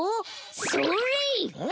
それ！